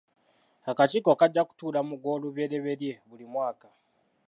Akakiiko kajja kutuula mu Gwolubereberye buli mwaka.